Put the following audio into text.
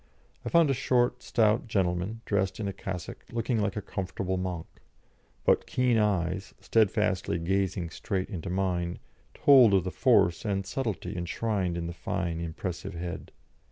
I found a short, stout gentleman, dressed in a cassock, looking like a comfortable monk; but keen eyes, steadfastly gazing straight into mine, told of the force and subtlety enshrined in the fine, impressive head.